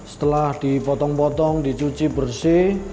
setelah dipotong potong dicuci bersih